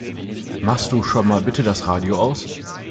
Machst du schon mal bitte das Radio aus?